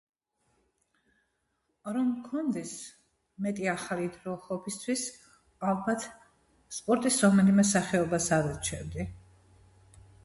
რომ მქონდეს მეტი დრო ჰობისთვის ალბათ სპორტის რომელიმე სახეობას ავირჩევდი